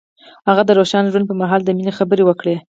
هغه د روښانه ژوند پر مهال د مینې خبرې وکړې.